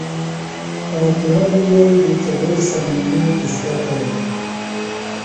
فاطمہ بیۡ یئیی دی چدُور سمئینی اِزدہ تھینیۡ۔